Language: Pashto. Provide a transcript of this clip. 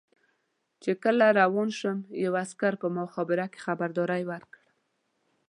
چې کله روان شوم یوه عسکر په مخابره کې خبرداری ورکړ.